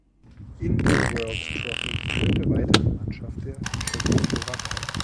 In der World Trophy führte weiter die Mannschaft der Tschechoslowakei.